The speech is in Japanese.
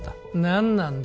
何なんだ？